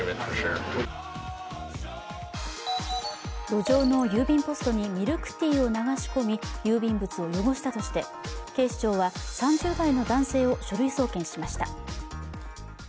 路上の郵便ポストにミルクティーを流し込み郵便物を汚したとして警視庁は３０代の男性を書類送検しました。